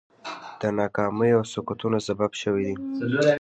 د ناکامیو او سقوطونو سبب شوي دي.